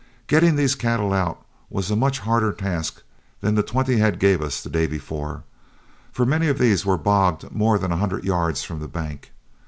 Getting these cattle out was a much harder task than the twenty head gave us the day before, for many of these were bogged more than a hundred yards from the bank.